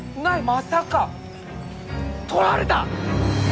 まさか！とられた！？